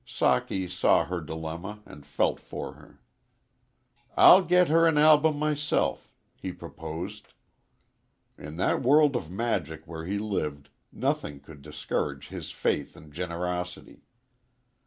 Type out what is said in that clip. Socky saw her dilemma and felt for her. "I'll get her an album myself," he proposed. In that world of magic where he lived nothing could discourage his faith and generosity.